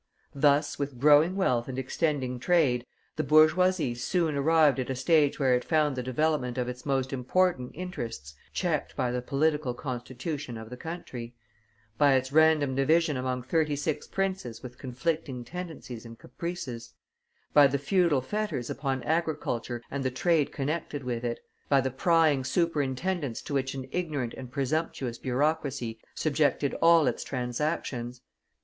Thus, with growing wealth and extending trade, the bourgeoisie soon arrived at a stage where it found the development of its most important interests checked by the political constitution of the country; by its random division among thirty six princes with conflicting tendencies and caprices; by the feudal fetters upon agriculture and the trade connected with it; by the prying superintendence to which an ignorant and presumptuous bureaucracy subjected all its transactions.